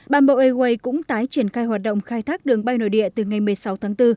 bản bộ airway cũng tái triển khai hoạt động khai thác đường bay nội địa từ ngày một mươi sáu tháng bốn